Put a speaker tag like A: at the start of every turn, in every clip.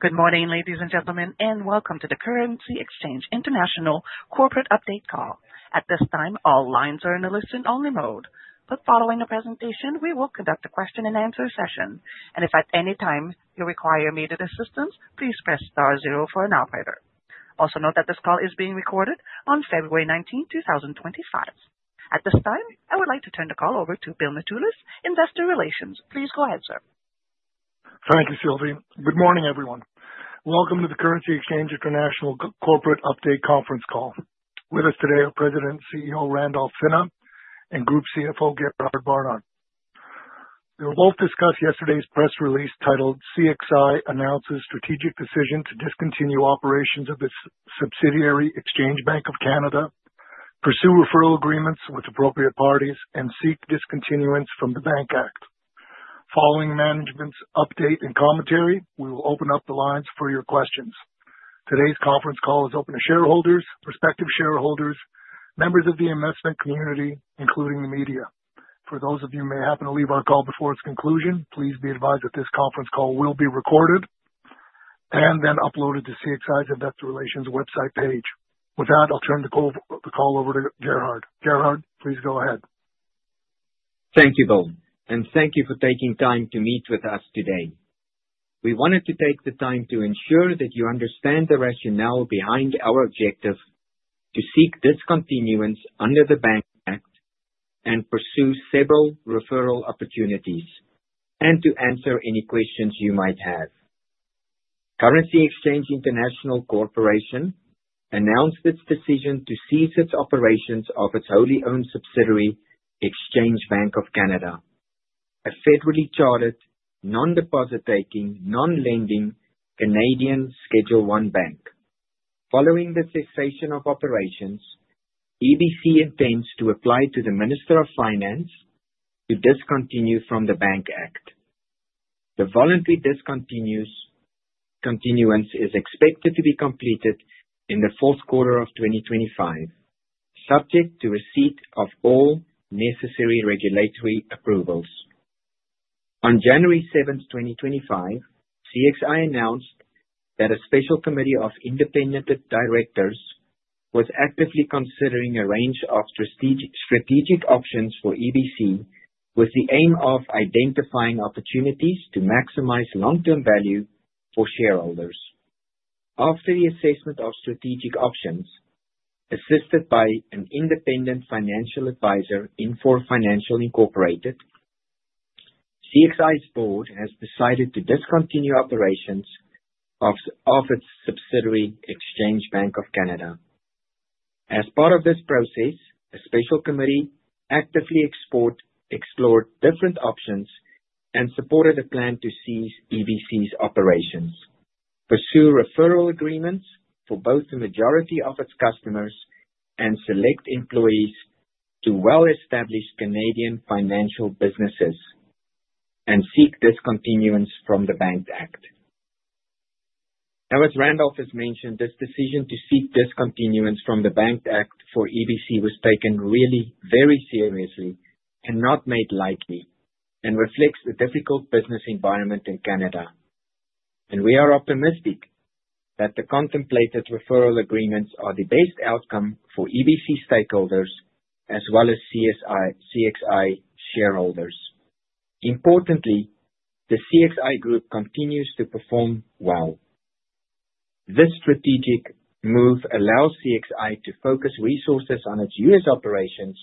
A: Good morning, ladies and gentlemen, and welcome to the Currency Exchange International Corporate Update Call. At this time, all lines are in a listen-only mode. Following the presentation, we will conduct a question-and-answer session. If at any time you require immediate assistance, please press star zero for an operator. Also note that this call is being recorded on February 19, 2025. At this time, I would like to turn the call over to Bill Mitoulas, Investor Relations. Please go ahead, sir.
B: Thank you, Sylvie. Good morning, everyone. Welcome to the Currency Exchange International Corporate Update Conference Call. With us today are President and CEO Randolph Pinna and Group CFO Gerhard Barnard. We will both discuss yesterday's press release titled, "CXI Announces Strategic Decision to Discontinue Operations of its Subsidiary Exchange Bank of Canada, Pursue Referral Agreements with Appropriate Parties, and Seek Discontinuance from the Bank Act." Following management's update and commentary, we will open up the lines for your questions. Today's conference call is open to shareholders, prospective shareholders, members of the investment community, including the media. For those of you who may happen to leave our call before its conclusion, please be advised that this conference call will be recorded and then uploaded to CXI's Investor Relations website page. With that, I'll turn the call over to Gerhard. Gerhard, please go ahead.
C: Thank you both, and thank you for taking time to meet with us today. We wanted to take the time to ensure that you understand the rationale behind our objective to seek discontinuance under the Bank Act and pursue several referral opportunities, and to answer any questions you might have. Currency Exchange International Corporation announced its decision to cease its operations of its wholly-owned subsidiary, Exchange Bank of Canada, a federally chartered, non-deposit-taking, non-lending Canadian Schedule I bank. Following the cessation of operations, EBC intends to apply to the Minister of Finance to discontinue from the Bank Act. The voluntary discontinuance is expected to be completed in the fourth quarter of 2025, subject to receipt of all necessary regulatory approvals. On January 7, 2025, CXI announced that a special committee of independent directors was actively considering a range of strategic options for EBC with the aim of identifying opportunities to maximize long-term value for shareholders. After the assessment of strategic options, assisted by an independent financial advisor in Foulis Financial Incorporated, CXI's board has decided to discontinue operations of its subsidiary, Exchange Bank of Canada. As part of this process, a special committee actively explored different options and supported a plan to cease EBC's operations, pursue referral agreements for both the majority of its customers and select employees to well-established Canadian financial businesses, and seek discontinuance from the Bank Act. Now, as Randolph has mentioned, this decision to seek discontinuance from the Bank Act for EBC was taken really very seriously and not made lightly, and reflects the difficult business environment in Canada. We are optimistic that the contemplated referral agreements are the best outcome for EBC stakeholders as well as CXI shareholders. Importantly, the CXI group continues to perform well. This strategic move allows CXI to focus resources on its US operations,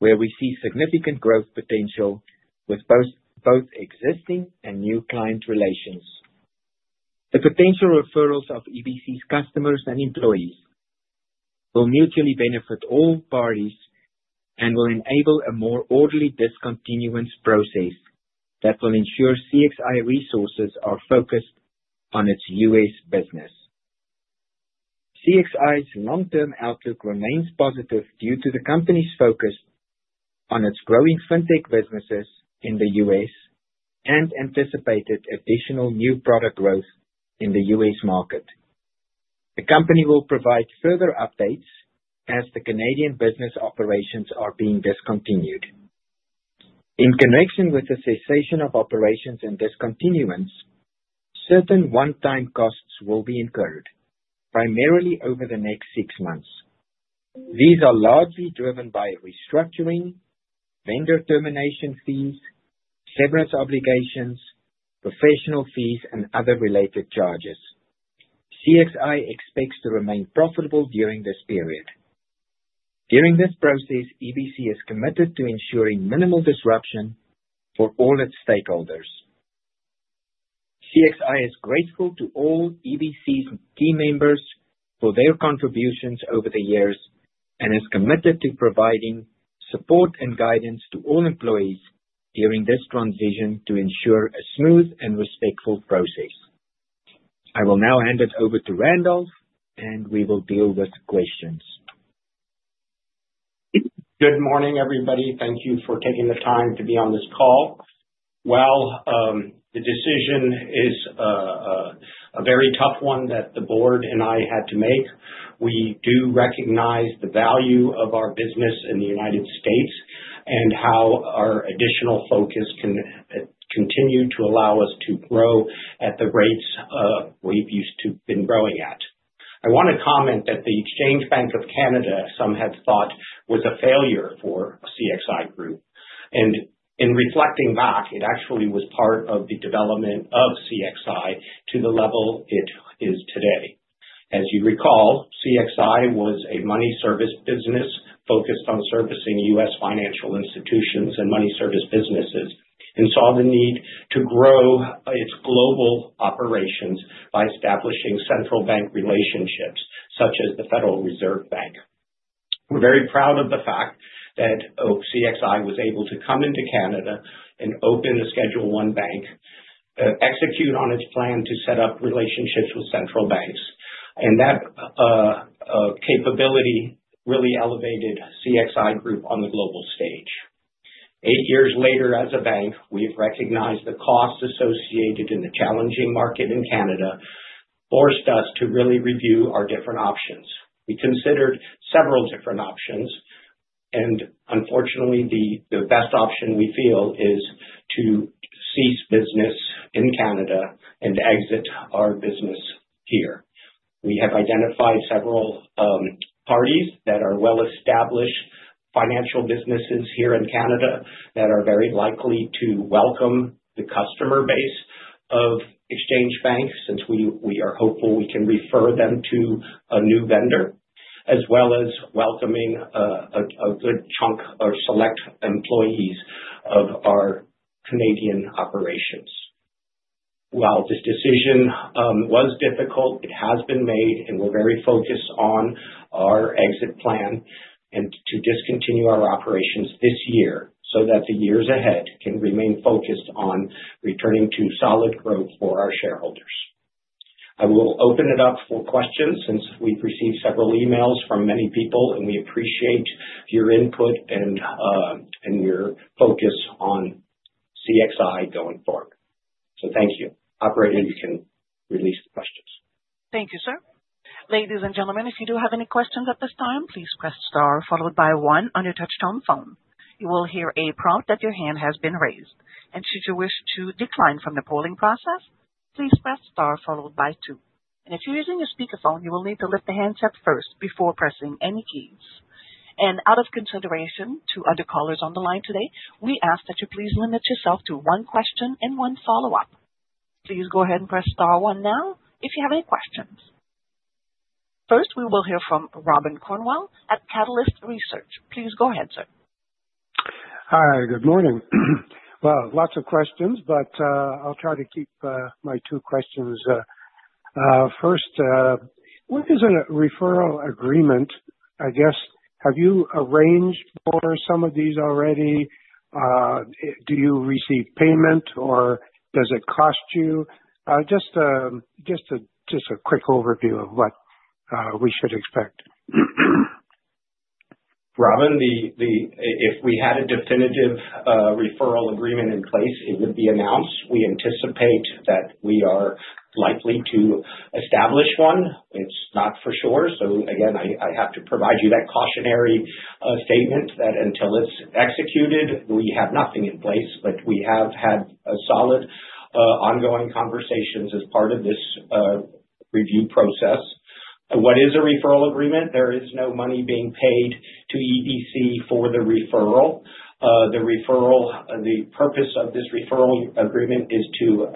C: where we see significant growth potential with both existing and new client relations. The potential referrals of EBC's customers and employees will mutually benefit all parties and will enable a more orderly discontinuance process that will ensure CXI resources are focused on its US business. CXI's long-term outlook remains positive due to the company's focus on its growing fintech businesses in the US and anticipated additional new product growth in the US market. The company will provide further updates as the Canadian business operations are being discontinued. In connection with the cessation of operations and discontinuance, certain one-time costs will be incurred, primarily over the next six months. These are largely driven by restructuring, vendor termination fees, severance obligations, professional fees, and other related charges. CXI expects to remain profitable during this period. During this process, EBC is committed to ensuring minimal disruption for all its stakeholders. CXI is grateful to all EBC's key members for their contributions over the years and is committed to providing support and guidance to all employees during this transition to ensure a smooth and respectful process. I will now hand it over to Randolph, and we will deal with questions.
D: Good morning, everybody. Thank you for taking the time to be on this call. The decision is a very tough one that the board and I had to make. We do recognize the value of our business in the United States and how our additional focus can continue to allow us to grow at the rates we've used to have been growing at. I want to comment that the Exchange Bank of Canada, some had thought, was a failure for CXI Group. In reflecting back, it actually was part of the development of CXI to the level it is today. As you recall, CXI was a money service business focused on servicing US financial institutions and money service businesses and saw the need to grow its global operations by establishing central bank relationships, such as the Federal Reserve Bank. We're very proud of the fact that CXI was able to come into Canada and open a Schedule I bank, execute on its plan to set up relationships with central banks. That capability really elevated CXI Group on the global stage. Eight years later, as a bank, we have recognized the costs associated in the challenging market in Canada forced us to really review our different options. We considered several different options, and unfortunately, the best option we feel is to cease business in Canada and exit our business here. We have identified several parties that are well-established financial businesses here in Canada that are very likely to welcome the customer base of Exchange Bank since we are hopeful we can refer them to a new vendor, as well as welcoming a good chunk or select employees of our Canadian operations. While this decision was difficult, it has been made, and we're very focused on our exit plan and to discontinue our operations this year so that the years ahead can remain focused on returning to solid growth for our shareholders. I will open it up for questions since we've received several emails from many people, and we appreciate your input and your focus on CXI going forward. Thank you. Operator, you can release the questions.
A: Thank you, sir. Ladies and gentlemen, if you do have any questions at this time, please press star followed by one on your touch-tone phone. You will hear a prompt that your hand has been raised. Should you wish to decline from the polling process, please press star followed by two. If you're using a speakerphone, you will need to lift the handset first before pressing any keys. Out of consideration to other callers on the line today, we ask that you please limit yourself to one question and one follow-up. Please go ahead and press star one now if you have any questions. First, we will hear from Robin Cornwell at Catalyst Research. Please go ahead, sir.
E: Hi, good morning. Lots of questions, but I'll try to keep my two questions. First, what is a referral agreement? I guess, have you arranged for some of these already? Do you receive payment, or does it cost you? Just a quick overview of what we should expect.
D: Robin, if we had a definitive referral agreement in place, it would be announced. We anticipate that we are likely to establish one. It's not for sure. I have to provide you that cautionary statement that until it's executed, we have nothing in place, but we have had solid ongoing conversations as part of this review process. What is a referral agreement? There is no money being paid to EBC for the referral. The purpose of this referral agreement is to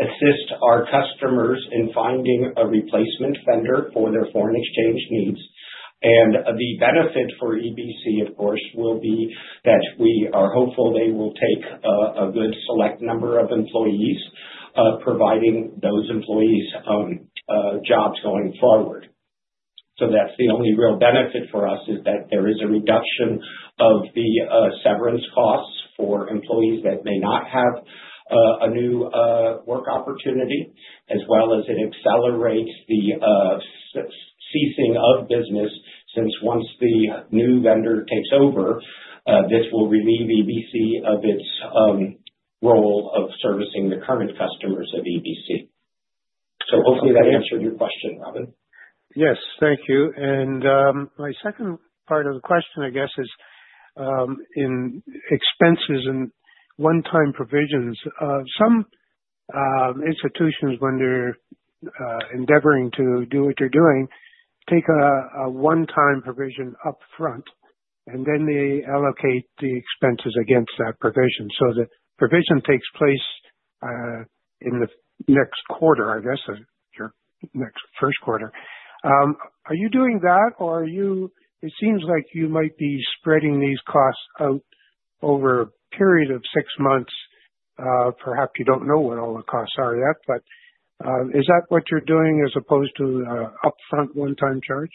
D: assist our customers in finding a replacement vendor for their foreign exchange needs. The benefit for EBC, of course, will be that we are hopeful they will take a good select number of employees, providing those employees jobs going forward. That's the only real benefit for us, is that there is a reduction of the severance costs for employees that may not have a new work opportunity, as well as it accelerates the ceasing of business since once the new vendor takes over, this will relieve EBC of its role of servicing the current customers of EBC. Hopefully that answered your question, Robin.
E: Yes, thank you. My second part of the question, I guess, is in expenses and one-time provisions. Some institutions, when they're endeavoring to do what they're doing, take a one-time provision upfront, and then they allocate the expenses against that provision. The provision takes place in the next quarter, I guess, or next first quarter. Are you doing that, or it seems like you might be spreading these costs out over a period of six months? Perhaps you don't know what all the costs are yet, but is that what you're doing as opposed to an upfront one-time charge?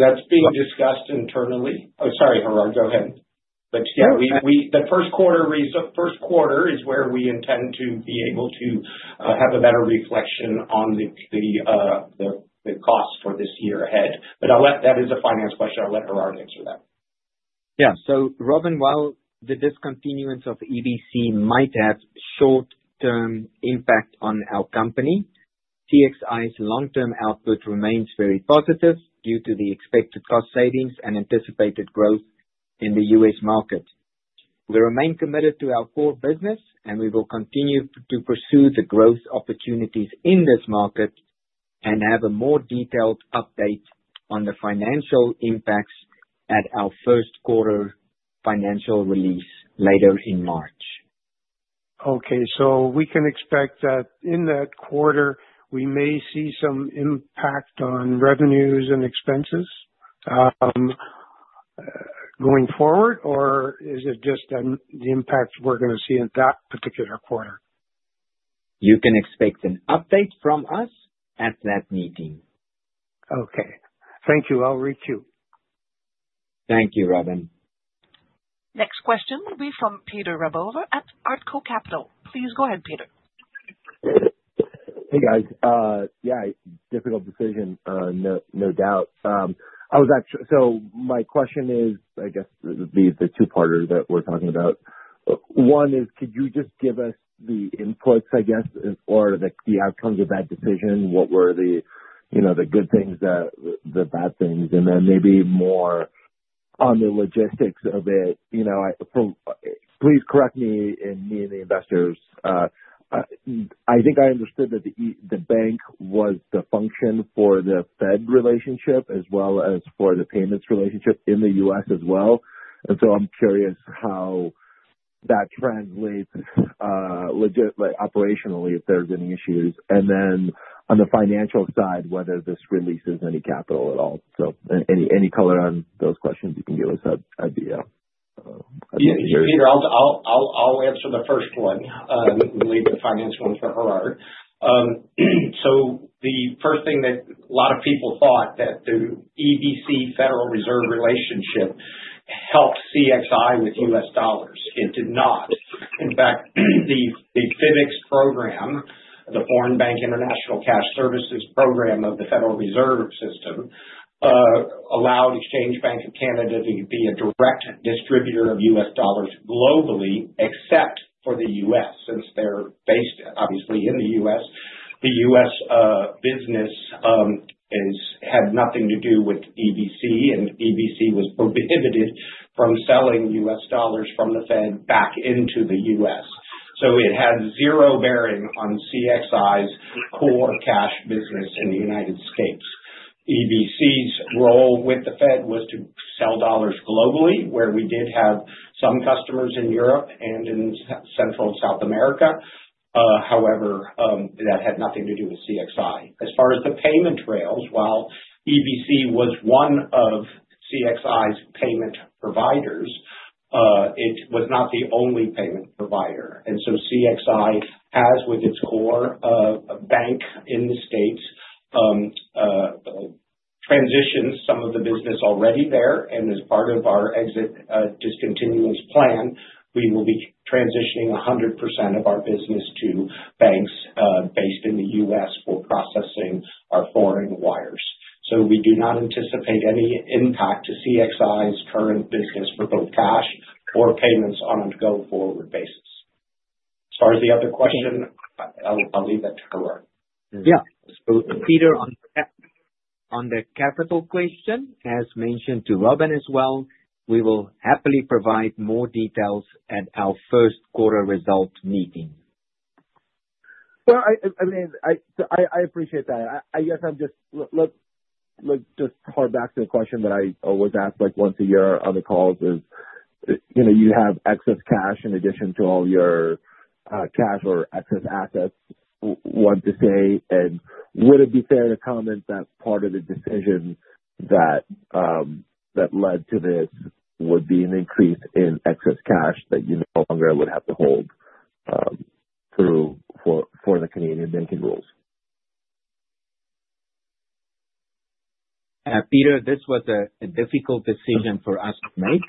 D: That's being discussed internally. Oh, sorry, Gerhard, go ahead. Yeah, the first quarter is where we intend to be able to have a better reflection on the cost for this year ahead. That is a finance question. I'll let Gerhard answer that.
C: Yeah. Robin, while the discontinuance of EBC might have short-term impact on our company, CXI's long-term output remains very positive due to the expected cost savings and anticipated growth in the US market. We remain committed to our core business, and we will continue to pursue the growth opportunities in this market and have a more detailed update on the financial impacts at our first quarter financial release later in March.
E: Okay. We can expect that in that quarter, we may see some impact on revenues and expenses going forward, or is it just the impact we are going to see in that particular quarter?
C: You can expect an update from us at that meeting.
E: Okay. Thank you. I'll reach you.
C: Thank you, Robin.
A: Next question will be from Peter Rebola at Artco Capital. Please go ahead, Peter.
F: Hey, guys. Yeah, difficult decision, no doubt. My question is, I guess, it would be the two-parter that we're talking about. One is, could you just give us the inputs, I guess, or the outcomes of that decision? What were the good things, the bad things, and then maybe more on the logistics of it? Please correct me and the investors. I think I understood that the bank was the function for the Fed relationship as well as for the payments relationship in the US as well. I am curious how that translates operationally if there's any issues. On the financial side, whether this releases any capital at all. Any color on those questions, you can give us an idea.
D: Peter, I'll answer the first one and leave the finance one for Gerhard. The first thing that a lot of people thought was that the EBC Federal Reserve relationship helped CXI with US dollars. It did not. In fact, the FIBEX program, the Foreign Bank International Cash Services Program of the Federal Reserve System, allowed Exchange Bank of Canada to be a direct distributor of US dollars globally, except for the US, since they're based, obviously, in the US. The US business had nothing to do with EBC, and EBC was prohibited from selling US dollars from the Fed back into the US. It had zero bearing on CXI's core cash business in the United States. EBC's role with the Fed was to sell dollars globally, where we did have some customers in Europe and in Central and South America. However, that had nothing to do with CXI. As far as the payment rails, while EBC was one of CXI's payment providers, it was not the only payment provider. CXI, as with its core bank in the States, transitioned some of the business already there. As part of our exit discontinuance plan, we will be transitioning 100% of our business to banks based in the US for processing our foreign wires. We do not anticipate any impact to CXI's current business for both cash or payments on a go-forward basis. As far as the other question, I'll leave that to Gerhard.
C: Yeah. Peter, on the capital question, as mentioned to Robin as well, we will happily provide more details at our first quarter result meeting.
F: I mean, I appreciate that. I guess I'm just to hark back to the question that I always ask once a year on the calls is, you have excess cash in addition to all your cash or excess assets, what to say? Would it be fair to comment that part of the decision that led to this would be an increase in excess cash that you no longer would have to hold for the Canadian banking rules?
C: Peter, this was a difficult decision for us to make.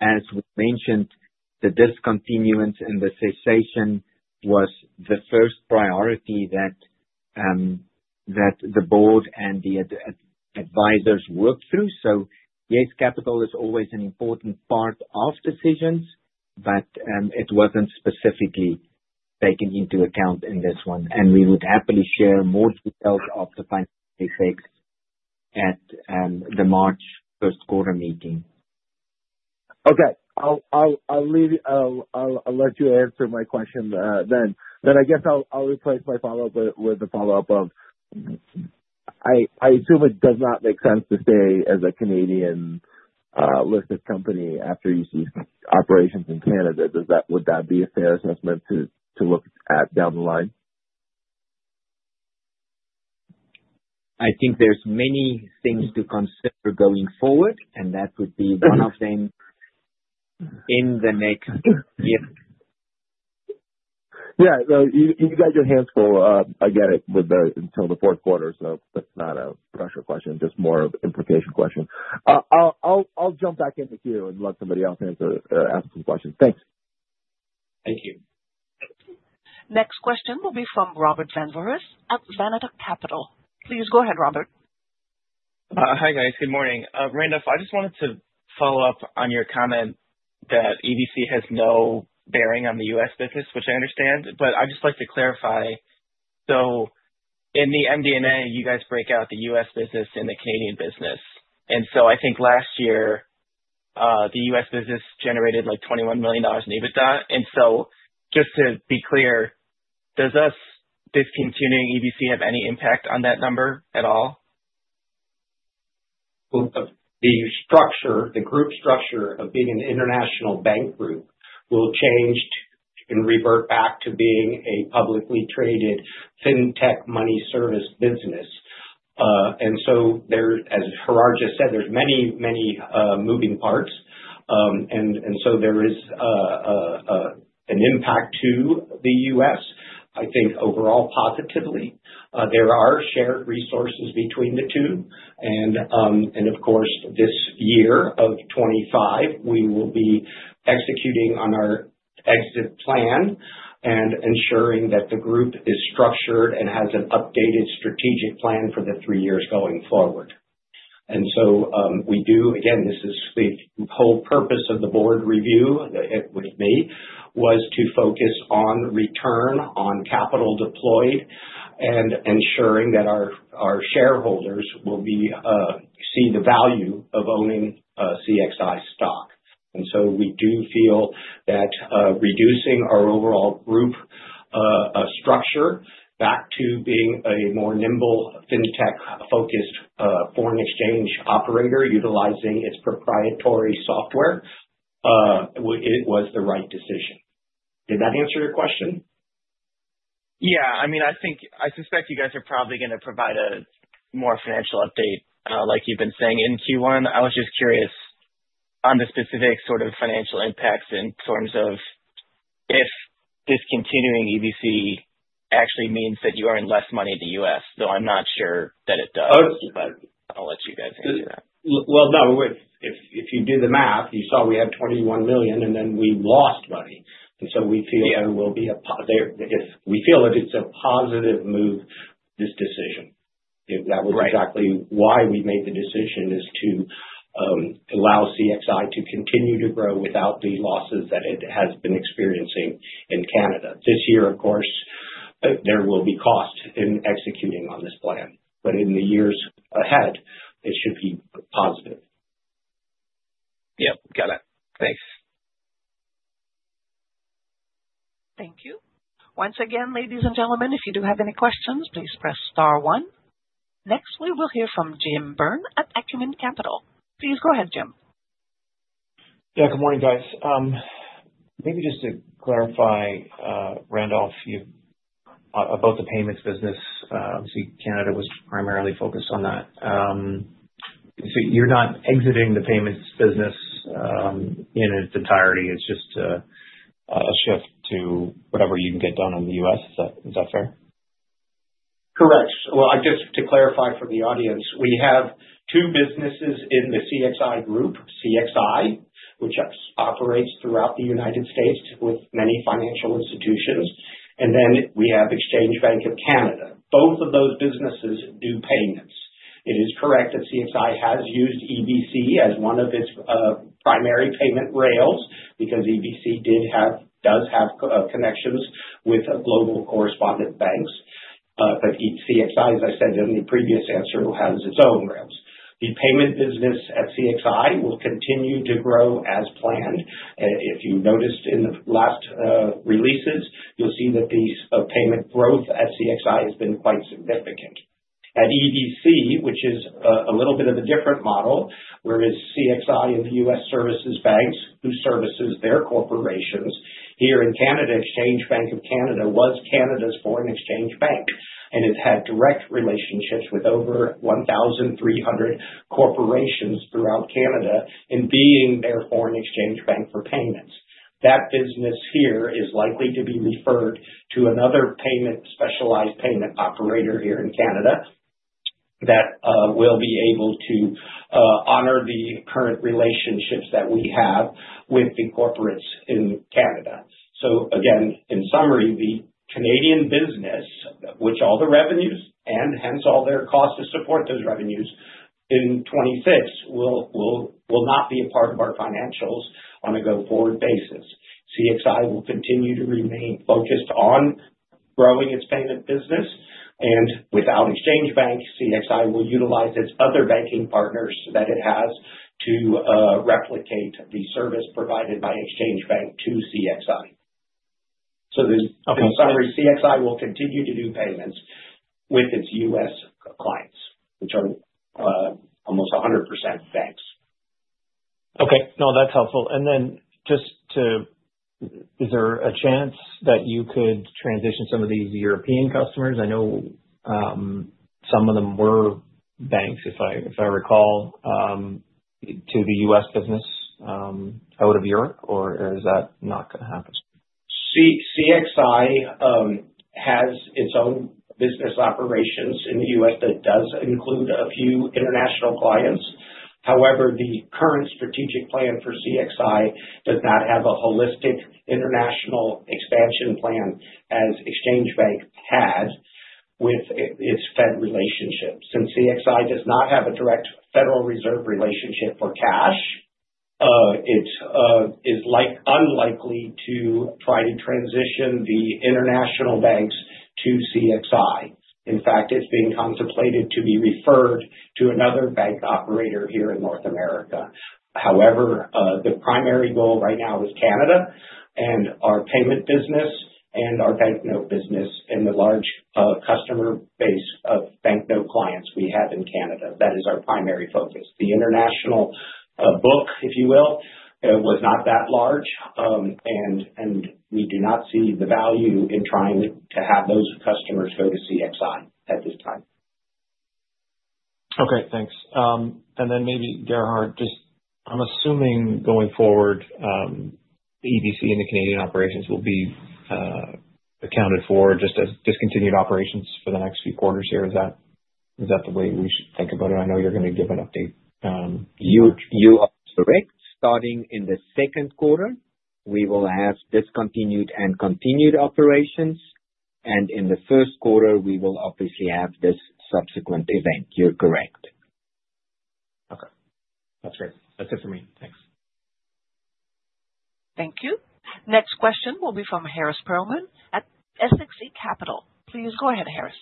C: As we mentioned, the discontinuance and the cessation was the first priority that the board and the advisors worked through. Yes, capital is always an important part of decisions, but it wasn't specifically taken into account in this one. We would happily share more details of the financial effects at the March first quarter meeting.
F: Okay. I'll let you answer my question then. I guess I'll replace my follow-up with the follow-up of, I assume it does not make sense to stay as a Canadian-listed company after you cease operations in Canada. Would that be a fair assessment to look at down the line?
C: I think there's many things to consider going forward, and that would be one of them in the next year.
F: Yeah. You got your hands full. I get it with the until the fourth quarter. That's not a pressure question, just more of an implication question. I'll jump back in with you and let somebody else ask some questions. Thanks.
D: Thank you.
A: Next question will be from Robert Vanveres at Vanetic Capital. Please go ahead, Robert.
G: Hi guys. Good morning. Randolph, I just wanted to follow up on your comment that EBC has no bearing on the US business, which I understand, but I'd just like to clarify. In the MD&A, you guys break out the US business and the Canadian business. I think last year, the US business generated like $21 million in EBITDA. Just to be clear, does us discontinuing EBC have any impact on that number at all?
D: The structure, the group structure of being an international bank group will change and revert back to being a publicly traded fintech money service business. As Gerhard just said, there are many, many moving parts. There is an impact to the US, I think overall positively. There are shared resources between the two. This year of 2025, we will be executing on our exit plan and ensuring that the group is structured and has an updated strategic plan for the three years going forward. This is the whole purpose of the board review with me, to focus on return on capital deployed and ensuring that our shareholders will see the value of owning CXI stock. We do feel that reducing our overall group structure back to being a more nimble fintech-focused foreign exchange operator utilizing its proprietary software was the right decision. Did that answer your question?
G: Yeah. I mean, I suspect you guys are probably going to provide a more financial update like you've been saying in Q1. I was just curious on the specific sort of financial impacts in terms of if discontinuing EBC actually means that you earn less money in the US, though I'm not sure that it does. I'll let you guys answer that.
D: If you do the math, you saw we had $21 million, and then we lost money. And so we feel there will be a if we feel that it's a positive move, this decision. That was exactly why we made the decision, is to allow CXI to continue to grow without the losses that it has been experiencing in Canada. This year, of course, there will be cost in executing on this plan. In the years ahead, it should be positive.
G: Yep. Got it. Thanks.
A: Thank you. Once again, ladies and gentlemen, if you do have any questions, please press star one. Next, we will hear from Jim Byrne at Acumen Capital. Please go ahead, Jim.
H: Yeah. Good morning, guys. Maybe just to clarify, Randolph, about the payments business. Obviously, Canada was primarily focused on that. You are not exiting the payments business in its entirety. It is just a shift to whatever you can get done in the US. Is that fair?
D: Correct. Just to clarify for the audience, we have two businesses in the CXI group, CXI, which operates throughout the United States with many financial institutions. We also have Exchange Bank of Canada. Both of those businesses do payments. It is correct that CXI has used EBC as one of its primary payment rails because EBC does have connections with global correspondent banks. CXI, as I said in the previous answer, has its own rails. The payment business at CXI will continue to grow as planned. If you noticed in the last releases, you will see that the payment growth at CXI has been quite significant. At EBC, which is a little bit of a different model, whereas CXI and the US services banks who services their corporations, here in Canada, Exchange Bank of Canada was Canada's foreign exchange bank and has had direct relationships with over 1,300 corporations throughout Canada and being their foreign exchange bank for payments. That business here is likely to be referred to another specialized payment operator here in Canada that will be able to honor the current relationships that we have with the corporates in Canada. In summary, the Canadian business, which all the revenues and hence all their costs to support those revenues in 2026, will not be a part of our financials on a go-forward basis. CXI will continue to remain focused on growing its payment business. Without Exchange Bank, CXI will utilize its other banking partners that it has to replicate the service provided by Exchange Bank to CXI. In summary, CXI will continue to do payments with its US clients, which are almost 100% banks.
H: Okay. No, that's helpful. Just to, is there a chance that you could transition some of these European customers? I know some of them were banks, if I recall, to the US business out of Europe, or is that not going to happen?
D: CXI has its own business operations in the US that does include a few international clients. However, the current strategic plan for CXI does not have a holistic international expansion plan as Exchange Bank had with its Fed relationship. Since CXI does not have a direct Federal Reserve relationship for cash, it is unlikely to try to transition the international banks to CXI. In fact, it's being contemplated to be referred to another bank operator here in North America. However, the primary goal right now is Canada and our payment business and our banknote business and the large customer base of banknote clients we have in Canada. That is our primary focus. The international book, if you will, was not that large, and we do not see the value in trying to have those customers go to CXI at this time.
H: Okay. Thanks. Maybe, Gerhard, just I'm assuming going forward, EBC and the Canadian operations will be accounted for just as discontinued operations for the next few quarters here. Is that the way we should think about it? I know you're going to give an update.
C: You are correct. Starting in the second quarter, we will have discontinued and continued operations. In the first quarter, we will obviously have this subsequent event. You're correct.
H: Okay. That's great. That's it for me. Thanks.
A: Thank you. Next question will be from Harris Perlman at Essex E Capital. Please go ahead, Harris.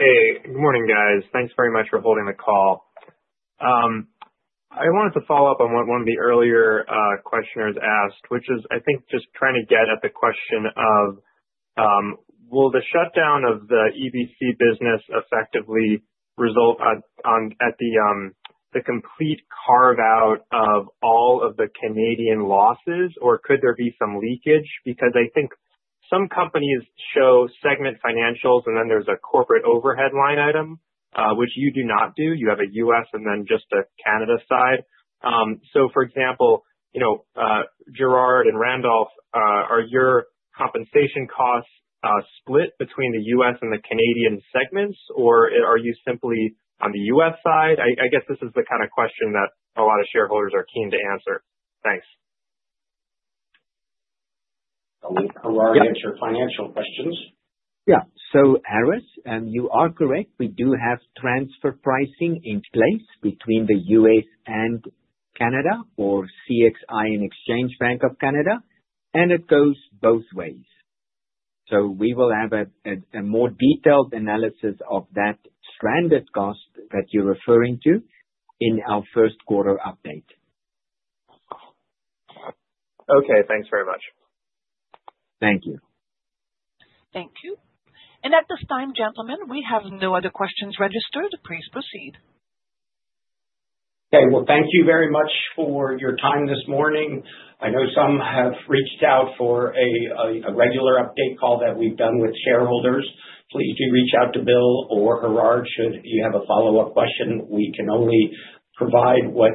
I: Hey. Good morning, guys. Thanks very much for holding the call. I wanted to follow up on what one of the earlier questioners asked, which is, I think, just trying to get at the question of, will the shutdown of the EBC business effectively result at the complete carve-out of all of the Canadian losses, or could there be some leakage? Because I think some companies show segment financials, and then there is a corporate overhead line item, which you do not do. You have a US and then just a Canada side. For example, Gerhard and Randolph, are your compensation costs split between the US and the Canadian segments, or are you simply on the US side? I guess this is the kind of question that a lot of shareholders are keen to answer. Thanks.
D: I'll let Gerhard answer financial questions.
C: Yeah. Harris, you are correct. We do have transfer pricing in place between the US and Canada for CXI and Exchange Bank of Canada, and it goes both ways. We will have a more detailed analysis of that stranded cost that you're referring to in our first quarter update.
I: Okay. Thanks very much.
C: Thank you.
A: Thank you. At this time, gentlemen, we have no other questions registered. Please proceed.
D: Okay. Thank you very much for your time this morning. I know some have reached out for a regular update call that we have done with shareholders. Please do reach out to Bill or Gerhard should you have a follow-up question. We can only provide what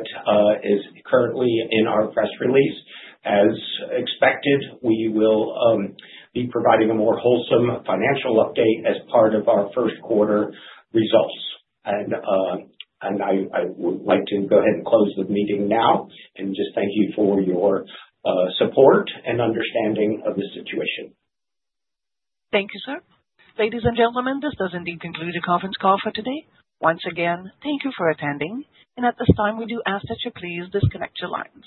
D: is currently in our press release. As expected, we will be providing a more wholesome financial update as part of our first quarter results. I would like to go ahead and close the meeting now and just thank you for your support and understanding of the situation.
A: Thank you, sir. Ladies and gentlemen, this does indeed conclude the conference call for today. Once again, thank you for attending. At this time, we do ask that you please disconnect your lines.